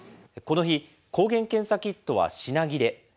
この日、抗原検査キットは品切れ。